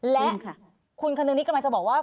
และคุณคนนึงนี้กำลังจะบอกว่า